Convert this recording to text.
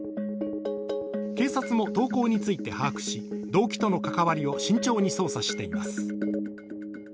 警察も投稿について把握し、動機との関わりを慎重に捜査しています。